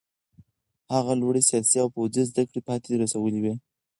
هغه لوړې سیاسي او پوځي زده کړې پای ته رسولې وې.